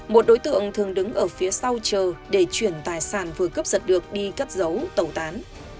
một đối tượng thường đứng ở phía sau chờ để chuyển tài sản vừa cấp giật được đi cất dấu tẩu tán